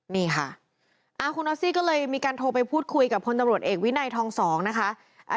นี่ค่ะคุณออสซี่ก็เลยมีการโทรไปพูดคุยกับพลตำรวจเอกวินัยทองสองนะคะ